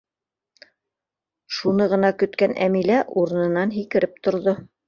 Шуны ғына көткән Әмилә урынынан һикереп торҙо: